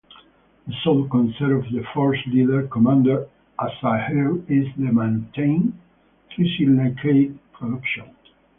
The sole concern of the force leader, Commander Azaxyr, is to maintain trisilicate production.